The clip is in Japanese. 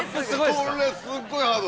これすっごいハード。